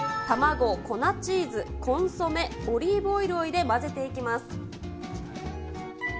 卵、粉チーズ、コンソメ、オリーブオイルを入れ、混ぜていきます。